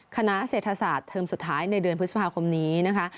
คณะเศรษฐศาสตร์เทอมสุดท้ายในเดือนพฤษภาคมนี้นะคะ